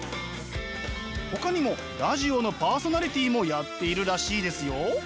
ほかにもラジオのパーソナリティーもやっているらしいですよ。